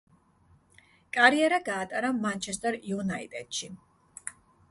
კარიერა გაატარა „მანჩესტერ იუნაიტედში“.